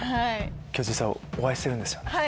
今日実はお会いしてるんですよね？